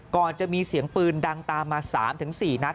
ก่อนจะมีเสียงปืนดังตามมา๓๔นัด